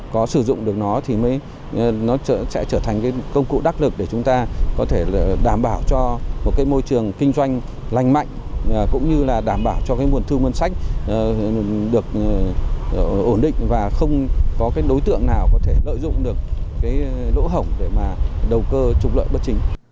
có sử dụng được nó thì nó sẽ trở thành công cụ đắc lực để chúng ta có thể đảm bảo cho một môi trường kinh doanh lành mạnh cũng như là đảm bảo cho nguồn thư ngân sách được ổn định và không có đối tượng nào có thể lợi dụng được lỗ hổng để đầu cơ trục lợi bất chính